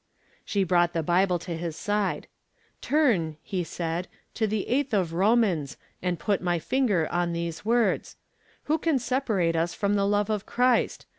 She brought the Bible to his side. 'Turn,' he said, 'to the eighth of Romans and put my finger on these words: "_Who can separate us from the love of Christ?